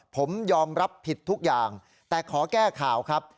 ผมยอมรับผิดทุกอย่างแต่ขอแก้ข่าวครับ